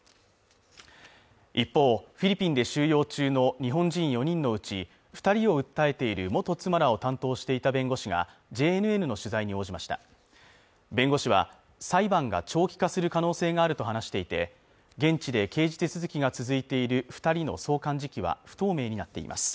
一方フィリピンで収容中の日本人４人のうち二人を訴えている元妻らを担当していた弁護士がＪＮＮの取材に応じました弁護士は裁判が長期化する可能性があると話していて現地で刑事手続が続いている二人の送還時期は不透明になっています